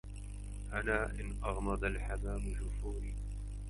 أنا إن أغمض الحمام جفوني